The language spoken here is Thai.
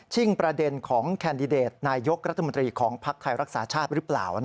ประเด็นของแคนดิเดตนายกรัฐมนตรีของภักดิ์ไทยรักษาชาติหรือเปล่า